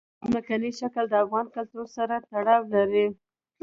ځمکنی شکل د افغان کلتور سره تړاو لري.